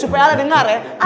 supaya ale dengar ya